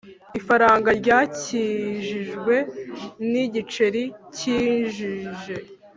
ifaranga ryakijijwe ni igiceri cyinjije